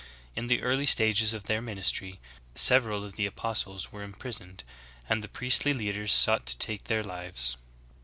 In the early stages of their ministry several of the apostles were imprisoned^* and the priestly leaders sought to take their Hves.